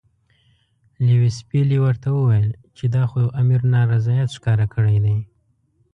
لیویس پیلي ورته وویل چې دا خو امیر نارضاییت ښکاره کړی دی.